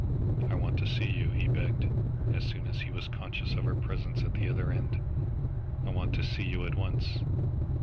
"I want to see you," he begged, as soon as he was conscious of her presence at the other end. "I want to see you at once."